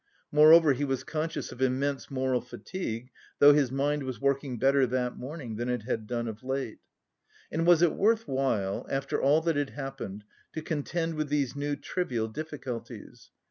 Moreover, he was conscious of immense moral fatigue, though his mind was working better that morning than it had done of late. And was it worth while, after all that had happened, to contend with these new trivial difficulties?